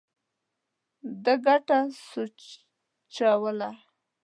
ده ګټه سوچوله.